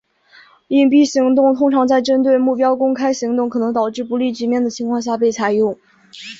隐蔽行动通常在针对目标公开行动可能导致不利局面的情况下被采用。